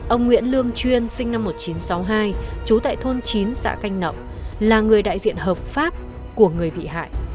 ông nguyễn lương chuyên sinh năm một nghìn chín trăm sáu mươi hai trú tại thôn chín xã canh nậu là người đại diện hợp pháp của người bị hại